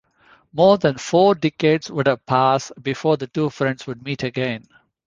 More than four decades would pass before the two friends would meet again.